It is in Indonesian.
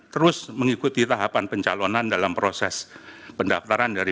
terus mengikuti tahapan pencalonan dalam proses pendaftaran dari